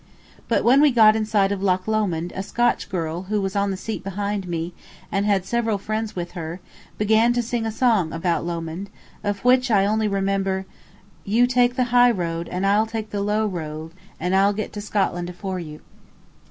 But when we got in sight of Loch Lomond a Scotch girl who was on the seat behind me, and had several friends with her, began to sing a song about Lomond, of which I only remember, "You take the high road and I'll take the low road, and I'll get to Scotland afore you."